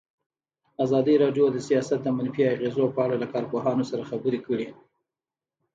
ازادي راډیو د سیاست د منفي اغېزو په اړه له کارپوهانو سره خبرې کړي.